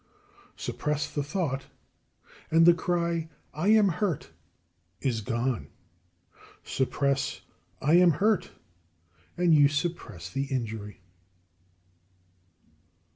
7. Suppress the thought; and the cry "I am hurt!" is gone. Suppress "I am hurt!" and you suppress the injury.